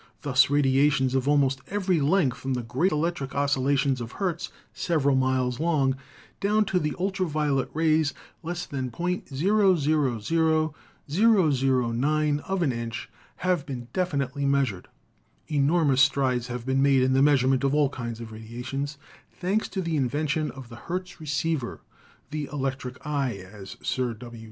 Thus radiations of almost every length, from the great electric oscillations of Hertz several miles long down to the ultra violet rays less than .000009 °^ an inch, have been defi nitely measured. Enormous strides have been made in the measurement of all kinds of radiations, thanks to the in vention of the Hertz receiver — the "electric eye," as Sir W.